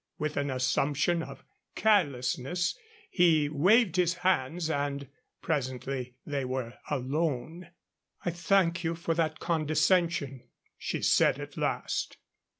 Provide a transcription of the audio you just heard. With an assumption of carelessness he waved his hands, and presently they were alone. "I thank you for that condescension," she said at last.